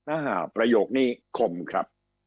อ้าฮะประโยคนี้ค่นครับ